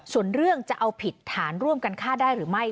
ส่วนเรื่องจะเอาผิดฐานร่วมกันฆ่าได้หรือไม่